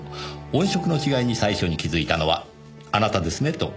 「音色の違いに最初に気づいたのはあなたですね？」と。